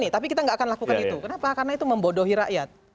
tapi kita nggak akan lakukan itu kenapa karena itu membodohi rakyat